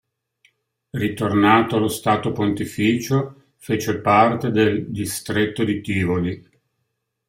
Ritornato allo Stato Pontificio fece parte del "distretto di Tivoli".